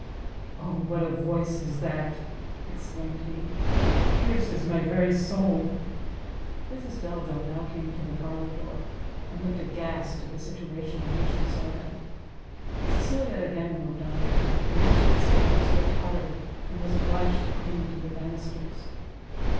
"O what a voice is that!" exclaimed he, "it pierces my very soul!" Mrs Delvile now came to the parlour door, and looked aghast at the situation in which she saw them: Cecilia again moved on, and reached the stairs, but tottered, and was obliged to cling to the banisters.